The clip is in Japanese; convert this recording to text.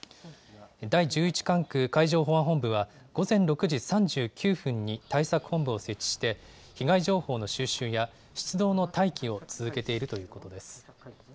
第１１管区海上保安本部は、午前６時３９分に対策本部を設置して、被害情報の収集や出動の待機を続けているということです。